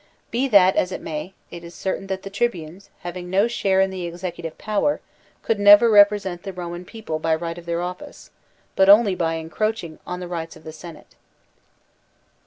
Be that as it may, it is certain that the tribunes, having no share in the executive power, could never represent the Roman people by right of their office, but only by encroaching on the rights of the Senate.